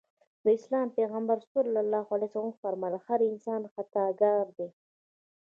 د اسلام پيغمبر ص وفرمایل هر انسان خطاکار دی.